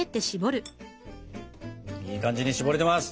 いい感じにしぼれてます。